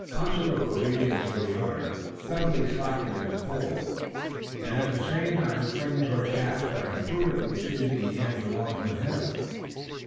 Ossaroo, obedient to the order, suddenly slackened his hold at the same time springing towards Caspar, and prudently seizing the end along with him.